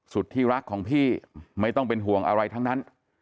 สุดที่รักของพี่ไม่ต้องเป็นห่วงอะไรทั้งนั้น